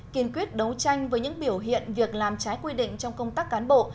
kiên quyết đấu tranh với những biểu hiện việc làm trái quy định trong công tác cán bộ